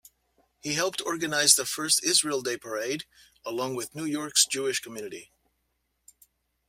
He helped organize the first Israel Day Parade, along with New York's Jewish community.